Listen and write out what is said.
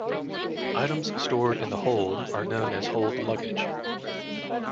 Items stored in the hold are known as hold luggage.